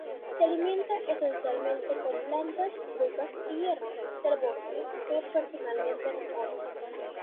Se alimenta esencialmente con plantas, frutas y hierbas del bosque, que personalmente recoge.